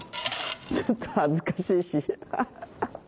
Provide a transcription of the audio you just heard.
ちょっと恥ずかしいしハハハ。